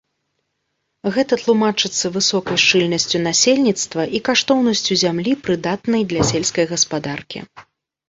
Гэта тлумачыцца высокай шчыльнасцю насельніцтва і каштоўнасцю зямлі, прыдатнай для сельскай гаспадаркі.